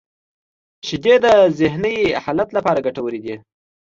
• شیدې د ذهنی حالت لپاره ګټورې دي.